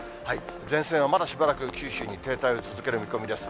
前線はまだしばらく、九州に停滞を続ける見込みです。